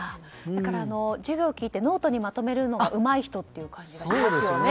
だから授業を聞いてノートにまとめる人がうまい人っていう感じがしますね。